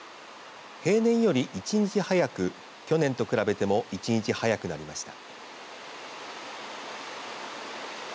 平年より一日早く去年と比べても１日早くなりました。